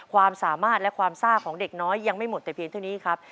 ความสามารถและความซ่าของเด็กน้อยยังไม่หมดแต่เพียงเท่านี้ครับ